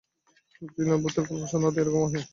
জ্বি-না, ভূতের গল্প সাধারণত এ-রকমই হয়।